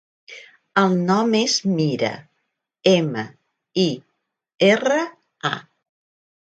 El nom és Mira: ema, i, erra, a.